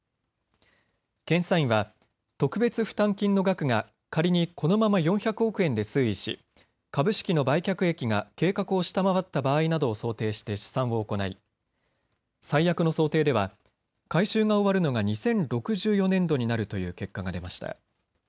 検査院は特別負担金の額が仮にこのまま４００億円で推移し株式の売却益が計画を下回った場合などを想定して試算を行い最悪の想定では回収が終わるのが２０６４年度になるという結果が出ました。